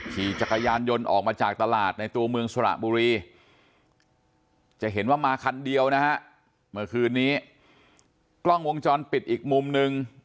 ขี่จักรยานยนต์ออกมาจากตลาดในตัวเมืองสระบุรีจะเห็นว่ามาคันเดียวนะฮะเมื่อคืนนี้กล้องวงจรปิดอีกมุมนึง